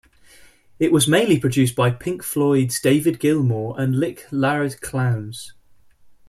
It was mainly produced by Pink Floyd's David Gilmour and Nick Laird-Clowes.